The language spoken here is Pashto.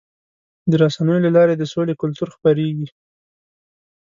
د رسنیو له لارې د سولې کلتور خپرېږي.